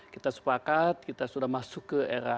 kita sepakat kita sudah masuk ke era